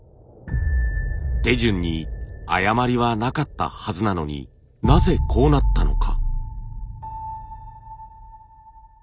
手順に誤りはなかったはずなのになぜこうなったのか。